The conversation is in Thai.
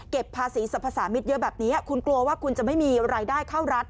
ภาษีสรรพสามิตรเยอะแบบนี้คุณกลัวว่าคุณจะไม่มีรายได้เข้ารัฐ